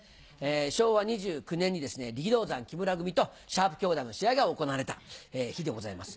昭和２９年に力道山・木村組とシャープ兄弟の試合が行われた日でございます。